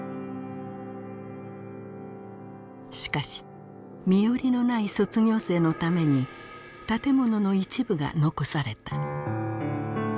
しかし身寄りのない卒業生のために建物の一部が残された。